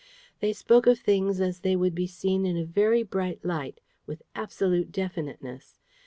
They spoke of things as they would be seen in a very bright light, with absolute definiteness.